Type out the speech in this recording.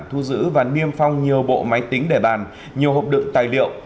thu giữ và niêm phong nhiều bộ máy tính để bàn nhiều hộp đựng tài liệu